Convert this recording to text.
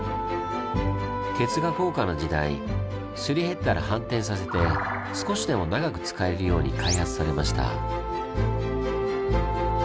鉄が高価な時代すり減ったら反転させて少しでも長く使えるように開発されました。